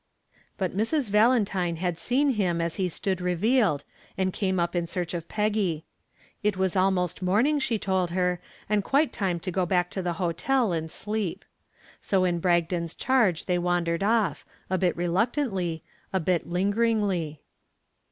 But Mrs. Valentine had seen him as he stood revealed, and came up in search of Peggy. It was almost morning, she told her, and quite time to go back to the hotel and sleep. So in Bragdon's charge they wandered off, a bit reluctantly, a bit lingeringly.